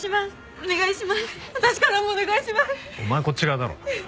お前はこっち側だろう。